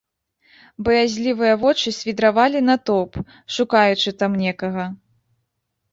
Баязлівыя вочы свідравалі натоўп, шукаючы там некага.